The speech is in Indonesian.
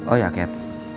oh ya cat